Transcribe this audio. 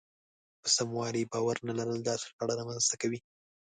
په سموالي يې باور نه لرل داسې شخړه رامنځته کوي.